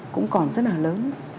cũng còn rất là lớn